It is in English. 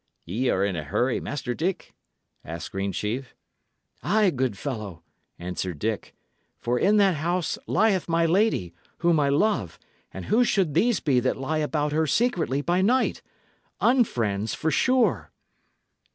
"Y' are in a hurry, Master Dick?" asked Greensheve. "Ay, good fellow," answered Dick; "for in that house lieth my lady, whom I love, and who should these be that lie about her secretly by night? Unfriends, for sure!"